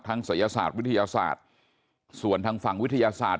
ศัยศาสตร์วิทยาศาสตร์ส่วนทางฝั่งวิทยาศาสตร์